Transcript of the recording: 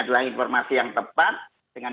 adalah informasi yang tepat dengan